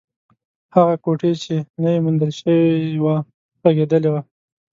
هغه کوټې چې نوې موندل شوې وه، غږېدلې وه.